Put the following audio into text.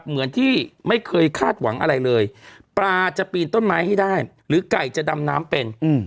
เหมือนที่ไม่เคยคาดหวังอะไรเลยปลาจะปีนต้นไม้ให้ได้หรือไก่จะดำน้ำเป็น